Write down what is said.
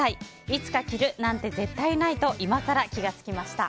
いつか着るなんて絶対ないと今更気が付きました。